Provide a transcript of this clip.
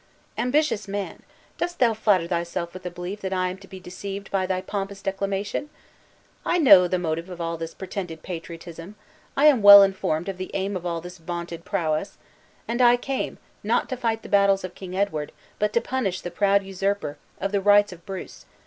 "Ambitious man! Dost thou flatter thyself with belief that I am to be deceived by thy pompous declamation? I know the motive of all this pretended patriotism, I am well informed of the aim of all this vaunted prowess; and I came, not to fight the battles of King Edward, but to punish the proud usurper of the rights of Bruce.